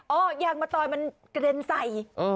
เออโยงได้